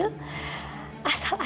asal saya sembuh ya